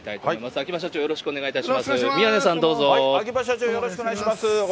秋葉社長、よろしくお願いしどうも。